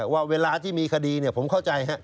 ว่าเวลาที่มีคดีผมเข้าใจ